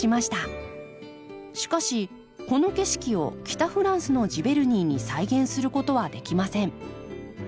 しかしこの景色を北フランスのジヴェルニーに再現することはできません。